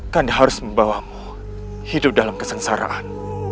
kan harus membawamu hidup dalam kesengsaraan